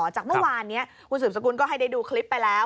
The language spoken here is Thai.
จากเมื่อวานนี้คุณสืบสกุลก็ให้ได้ดูคลิปไปแล้ว